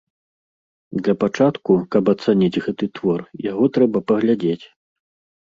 Для пачатку, каб ацаніць гэты твор, яго трэба паглядзець.